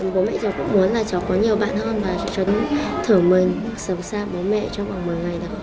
bố mẹ cháu cũng muốn là cháu có nhiều bạn hơn và cháu thưởng mình sống xa bố mẹ trong khoảng một mươi ngày